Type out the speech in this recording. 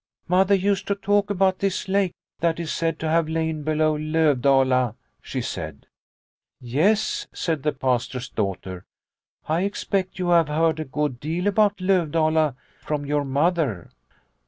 " Mother used to talk about this lake that is said to have lain below Lovdala," she said. The Black Lake 37 " Yes," said the Pastor's daughter, " I expect you have heard a good deal about Lovdala from your Mother."